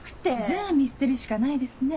じゃあ見捨てるしかないですね